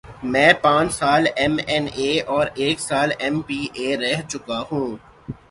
میں پانچ سال ایم این اے اور ایک سال ایم پی اے رہ چکا ہوں۔